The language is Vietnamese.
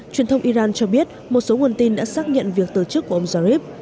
truyền thông iran cho biết một số nguồn tin đã xác nhận việc từ chức của ông javib